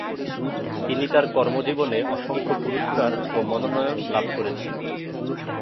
তিনি তার কর্মজীবনে অসংখ্য পুরস্কার ও মনোনয়ন লাভ করেছেন।